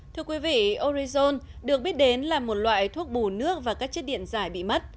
thưa quý vị orizon được biết đến là một loại thuốc bù nước và các chất điện giải bị mất